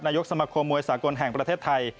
ยกสมคมมวยสากลแห่งประเทศไทย